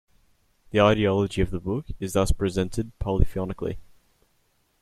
The ideology of the book is thus presented polyphonically.